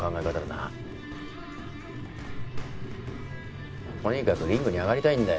とにかくリングに上がりたいんだよ。